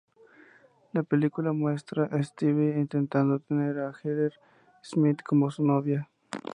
La película muestra a Steve intentando tener a Heather Smith como su novia.